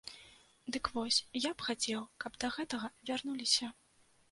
Дык вось, я б хацеў, каб да гэтага вярнуліся.